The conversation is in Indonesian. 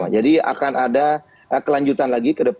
akan ada kelanjutan lagi ke depan